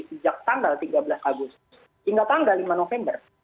sejak tanggal tiga belas agustus hingga tanggal lima november